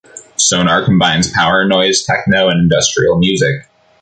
Sonar combines power noise, techno, and industrial music.